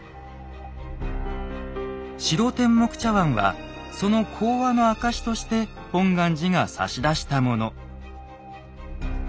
「白天目茶碗」はその講和の証しとして本願寺が差し出したもの。